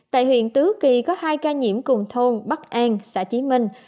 tại huyện tứ kỳ có hai ca nhiễm cùng thôn bắc an xã chí minh